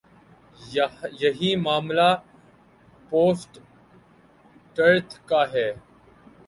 یہی معاملہ post truth کا ہے۔